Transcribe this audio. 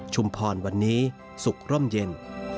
พรวันนี้สุขร่มเย็น